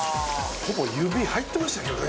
指入ってましたけどね